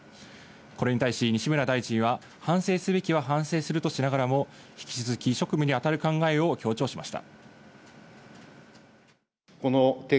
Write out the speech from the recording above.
これに対し西村大臣は反省すべきは反省するとしながらも、引き続き職務に当たる考えを強調しました。